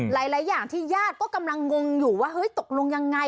หลายอย่างที่ญาติก็กำลังงงอยู่ว่าเฮ้ยตกลงยังไง